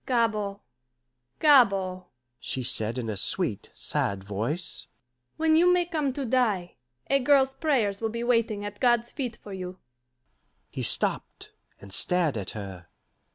"Gabord, Gabord," she said in a sweet, sad voice, "when you may come to die, a girl's prayers will be waiting at God's feet for you." He stopped, and stared at her.